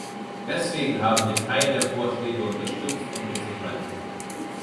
Deswegen haben wir keinen der Vorschläge unterstützt und uns enthalten.